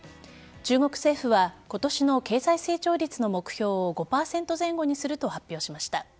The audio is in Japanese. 中国政府は今年の経済成長率の目標を５％前後にすると発表しました。